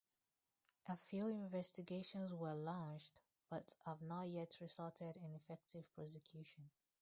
A few investigations were launched, but have not yet resulted in effective prosecution.